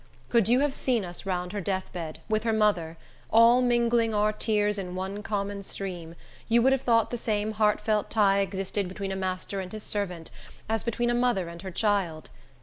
Could you have seen us round her death bed, with her mother, all mingling our tears in one common stream, you would have thought the same heartfelt tie existed between a master and his servant, as between a mother and her child.